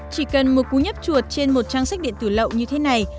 chỉ cần một cú nhấp chuột trên một trang sách điện tử lậu như thế này